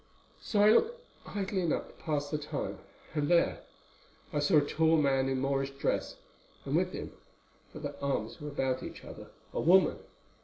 "So I looked idly enough to pass the time, and there I saw a tall man in a Moorish dress, and with him, for their arms were about each other, a woman.